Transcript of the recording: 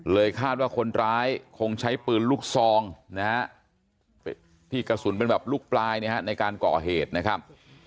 คาดว่าคนร้ายคงใช้ปืนลูกซองนะฮะที่กระสุนเป็นแบบลูกปลายนะฮะในการก่อเหตุนะครับ